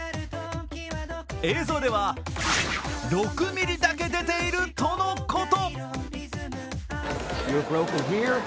映像では６ｍｍだけ出ているとのこと。